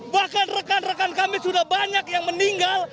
bahkan rekan rekan kami sudah banyak yang meninggal